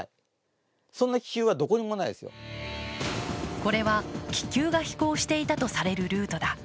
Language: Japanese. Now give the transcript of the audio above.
これは気球が飛行していたとされるルートだ。